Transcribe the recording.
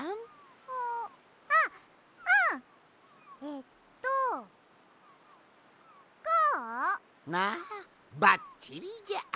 ああばっちりじゃ。